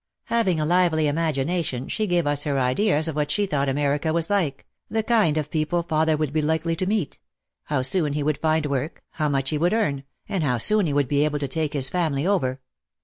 Having a lively imagination, she gave us her ideas of what she thought America was like, the kind of people father would be likely to meet, how soon he would find work, how much he would earn, and how soon he would be able to take his family over.